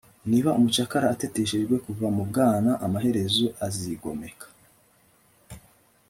niba umucakara ateteshejwe kuva mu bwana, amaherezo azigomeka